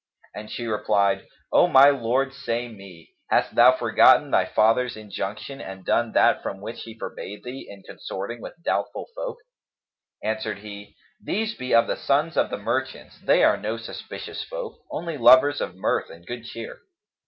And she replied, "O my lord, say me, hast thou forgotten thy father's injunction and done that from which he forbade thee, in consorting with doubtful folk?" Answered he, "These be of the sons of the merchants; they are no suspicious folk, only lovers of mirth and good cheer."